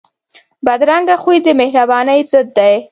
بدرنګه خوی د مهربانۍ ضد دی